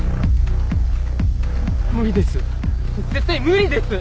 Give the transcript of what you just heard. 無理です。